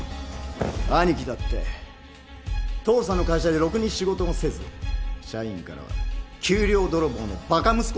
兄貴だって父さんの会社でろくに仕事もせず社員からは給料泥棒のバカ息子だって評判だよ！